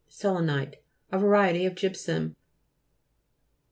SEL'ENITE A variety of gypsum.